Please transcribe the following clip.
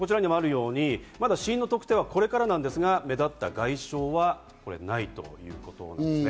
まだ死因の特定はこれからなんですが、目立った外傷はないということです。